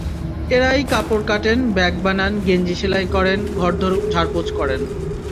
এঁরাই কাপড় কাটেন, ব্যাগ বানান, গেঞ্জি সেলাই করেন, ঘরদোর ঝাড়পোছ করেন।